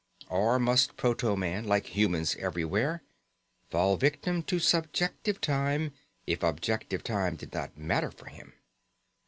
Or must proto man, like humans everywhere, fall victim to subjective time if objective time did not matter for him?